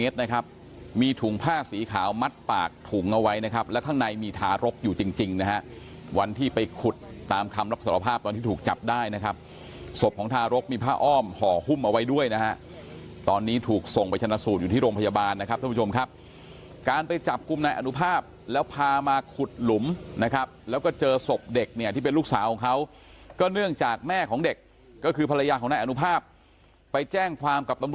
ตามคำรับสรภาพตอนที่ถูกจับได้นะครับศพของทารกมีผ้าอ้อมห่อคุ่มเอาไว้ด้วยนะฮะตอนนี้ถูกส่งไปชนะสูตรอยู่ที่โรงพยาบาลนะครับท่านผู้ชมครับการไปจับกุมนายอนุภาพแล้วพามาขุดหลุมนะครับแล้วก็เจอศพเด็กเนี่ยที่เป็นลูกสาวของเขาก็เนื่องจากแม่ของเด็กก็คือภรรยาของนายอนุภาพไปแจ้งความก